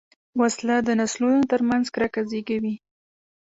وسله د نسلونو تر منځ کرکه زېږوي